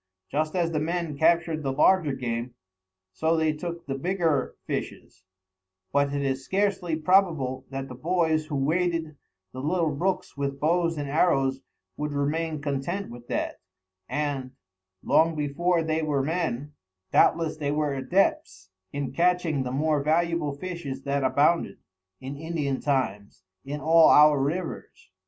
Just as the men captured the larger game, so they took the bigger fishes; but it is scarcely probable that the boys who waded the little brooks with bows and arrows would remain content with that, and, long before they were men, doubtless they were adepts in catching the more valuable fishes that abounded, in Indian times, in all our rivers.